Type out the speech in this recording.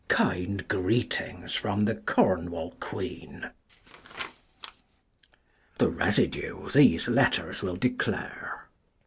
Kind greetings from the Cornwall queen: 10 The residue these letters will declare.